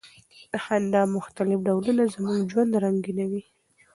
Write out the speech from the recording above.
د خندا مختلف ډولونه زموږ ژوند رنګینوي.